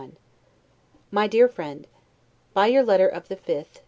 1751 MY DEAR FRIEND: By your letter of the 5th, N.